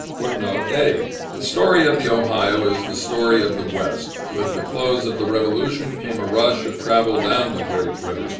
[A] The story of the Ohio is the story of the West. With the close of the Revolution, came a rush of travel down the great river.